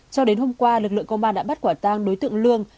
cho đến hôm qua lực lượng công an đã bắt quả tang đối tượng lương